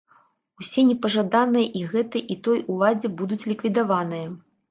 Усе непажаданыя і гэтай, і той уладзе будуць ліквідаваныя.